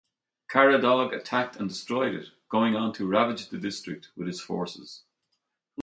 Caradog attacked and destroyed it, going on to ravage the district with his forces.